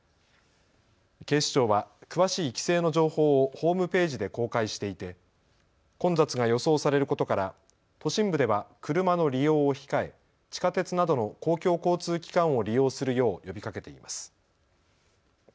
警視庁は詳しい規制の情報をホームページで公開していて混雑が予想されることから都心部では車の利用を控え地下鉄などの公共交通機関を利用するよう呼びかけています。